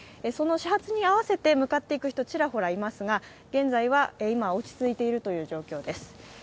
その始発に合わせて向かっていく人ちらほらいますが、現在は今落ち着いているという状況です。